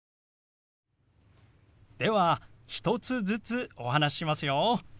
では１つずつお話ししますよ。